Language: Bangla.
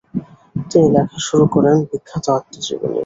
তিনি লেখা শুরু করেন বিখ্যাত আত্মজীবনী।